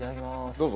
どうぞ。